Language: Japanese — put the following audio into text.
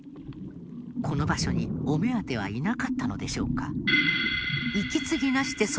この場所にお目当てはいなかったのでしょうか？